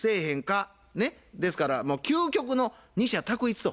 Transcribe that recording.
ねっですから究極の二者択一と。